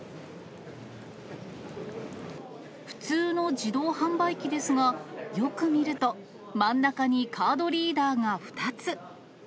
普通の自動販売機ですが、よく見ると真ん中にカードリーダーが２つ。